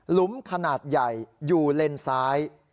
ลุมขนาดใหญ่อยู่เลนซ้าย